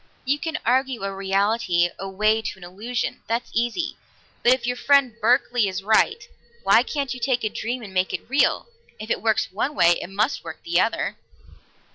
"You can argue a reality away to an illusion; that's easy. But if your friend Berkeley is right, why can't you take a dream and make it real? If it works one way, it must work the other."